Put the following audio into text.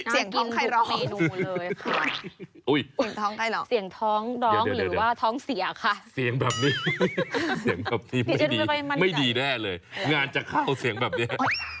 เสียงท้องใครร้องเสียงท้องน้องหรือว่าท้องเสียค่ะเสียงแบบนี้ไม่ดีแน่เลยงานจากเขาเสียงแบบนี้